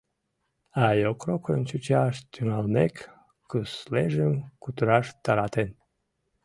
А йокрокын чучаш тӱҥалмек, кӱслежым кутыраш таратен.